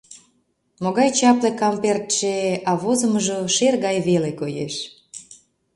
Могай чапле кампертше-е, а возымыжо… шер гай веле коеш.